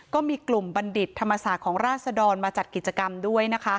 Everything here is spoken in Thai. ก็มีกลุ่มบัณฑิตธรรมศาสตร์ของราศดรมาจัดกิจกรรมด้วยนะคะ